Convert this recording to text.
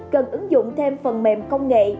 cần ứng dụng thêm phần mềm công nghệ